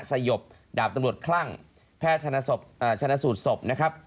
สยบดาบตำรวจคลั่งแพทย์ชนะสูตรศพนะครับ